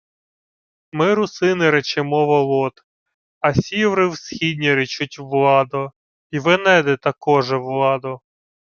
— Ми, русини, речемо Волод, а сіври всхідні речуть Владо. Й венеди такоже Владо.